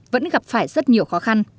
vẫn gặp phải rất nhiều khó khăn